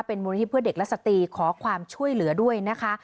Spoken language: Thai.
มูลนิธิเพื่อเด็กและสตรีขอความช่วยเหลือด้วยนะคะ